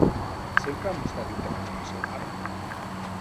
Sempre ha mostrat interès en el seu art?